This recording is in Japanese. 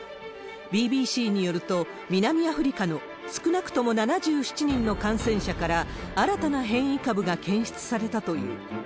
ＢＢＣによると、南アフリカの少なくとも７７人の感染者から、新たな変異株が検出されたという。